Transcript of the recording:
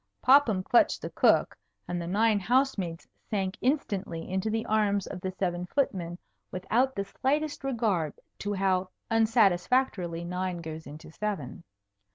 Popham clutched the cook, and the nine house maids sank instantly into the arms of the seven footmen without the slightest regard to how unsatisfactorily nine goes into seven.